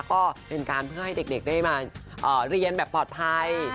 ก็เป็นการเพื่อให้เด็กได้มาเรียนแบบปลอดภัย